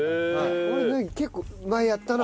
俺結構前やったな。